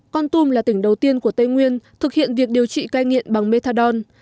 con tum là tỉnh đầu tiên của tây nguyên thực hiện việc điều trị cai nghiện bằng methadon